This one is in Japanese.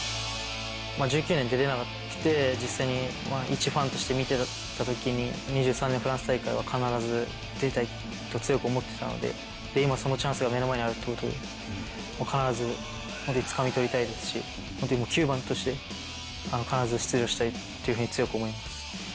１９年出れなくて、実際に一ファンとして見ていたときに、２３年フランス大会は必ず出たいと強く思ってたので、今、そのチャンスが目の前にあるっていうことで、もう必ず、本当につかみ取りたいですし、本当に９番として、必ず出場したいというふうに強く思います。